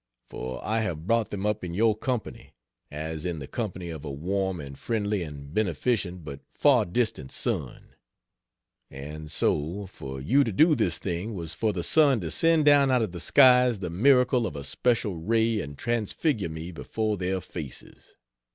For I have brought them up in your company, as in the company of a warm and friendly and beneficent but far distant sun; and so, for you to do this thing was for the sun to send down out of the skies the miracle of a special ray and transfigure me before their faces.